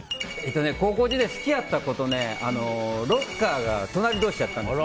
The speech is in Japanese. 高校時代、好きだった子とロッカーが隣同士やったんです。